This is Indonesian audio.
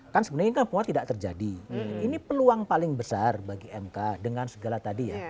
kan sebenarnya ini semua tidak terjadi ini peluang paling besar bagi mk dengan segala tadi ya